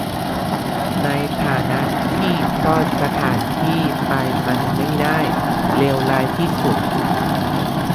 ในฐานะที่ซ่อนสถานที่ไปมันไม่ได้เลวร้ายที่สุด